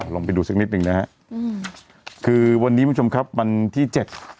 ลองไปดูสักนิดหนึ่งนะฮะอืมคือวันนี้คุณผู้ชมครับวันที่เจ็ด